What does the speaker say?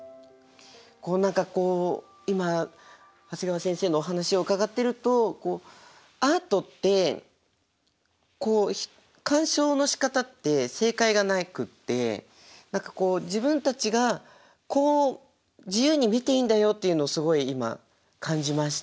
何かこう今長谷川先生のお話を伺ってるとアートって鑑賞のしかたって正解がなくって何かこう自分たちが自由に見ていいんだよっていうのをすごい今感じました。